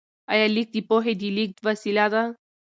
آیا لیک د پوهې د لیږد وسیله ده؟